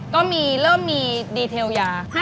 เริ่มมีดีเทลยา